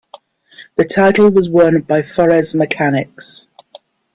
The title was won by Forres Mechanics.